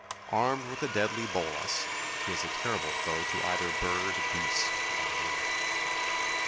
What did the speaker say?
Armed with the deadly bolas he is a terrible foe to either bird, beast, or man.